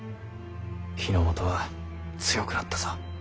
日の本は強くなったぞ。